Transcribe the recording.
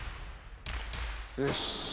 よし！